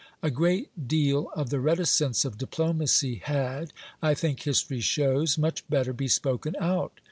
A great deal of the reticence of diplomacy had, I think history shows, much better be spoken out.